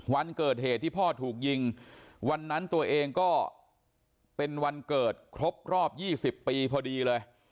วันเกิดเหตุที่พ่อถูกยิงวันนั้นตัวเองก็เป็นวันเกิดครบรอบ๒๐ปีพอดีเลย